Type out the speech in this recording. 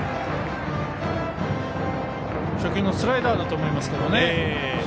初球のスライダーだと思いますけどね。